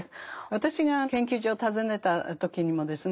私が研究所を訪ねた時にもですね